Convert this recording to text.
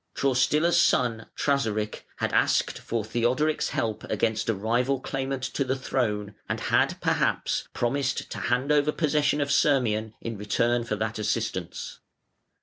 Traustila's son, Trasaric, had asked for Theodoric's help against a rival claimant to the throne, and had, perhaps, promised to hand over possession of Sirmium in return for that assistance.